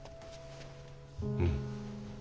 うん。